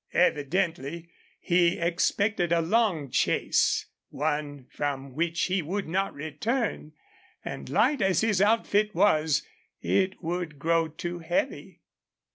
Evidently he expected a long chase, one from which he would not return, and light as his outfit was it would grow too heavy.